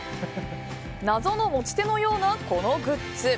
謎の持ち手のようなこのグッズ。